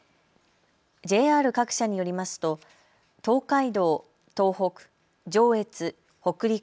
ＪＲ各社によりますと東海道・東北・上越・北陸